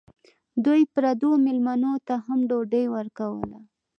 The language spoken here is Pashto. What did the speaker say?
دوی پردو مېلمنو ته هم ډوډۍ ورکوله.